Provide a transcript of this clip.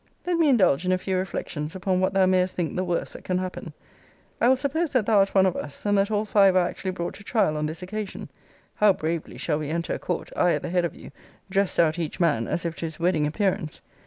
Let me indulge in a few reflections upon what thou mayest think the worst that can happen. I will suppose that thou art one of us; and that all five are actually brought to trial on this occasion: how bravely shall we enter a court, I at the head of you, dressed out each man, as if to his wedding appearance!